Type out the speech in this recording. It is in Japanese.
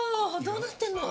どうなってんの？